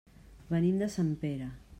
Venim de Sempere.